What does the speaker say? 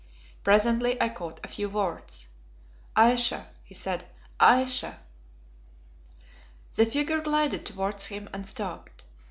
Presently I caught a few words. "Ayesha," he said, "Ayesha!" The figure glided towards him and stopped.